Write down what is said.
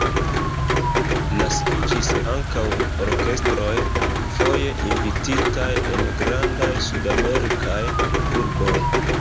Naskiĝis ankaŭ orkestroj, foje invititaj en grandaj Sudamerikaj urboj.